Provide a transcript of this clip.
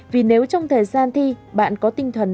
vì nếu trong thời gian thi bạn có tinh thần